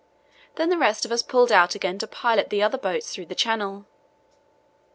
Then the rest of us pulled out again to pilot the other boats through the channel.